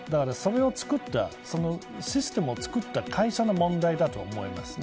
そのシステムを作った会社の問題だとも思いますね。